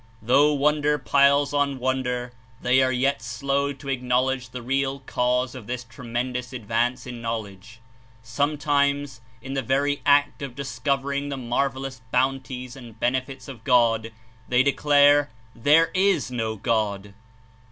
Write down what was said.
Though wonder piles on wonder, they are yet slow to acknowledge the real cause of The Light this tremendous advance in knowledge. of the Sometimes, in the very act of discovering Spirit ^Yie mar\ elous hounties and benefits of God, they declare: "There is no God!"